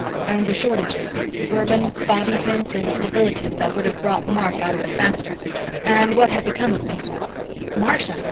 and the shortages bourbon, bobby pins, and the stabilitin that would have brought Mark out of it faster and what had become of people "Marcia?